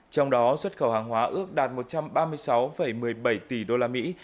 trong đó xuất khẩu hàng hóa ước đạt một trăm ba mươi sáu sáu tỷ đô la mỹ